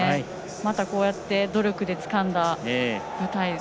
また、こうやって努力でつかんだ舞台。